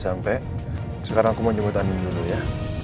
sampai sekarang aku mau nyemput anjing dulu ya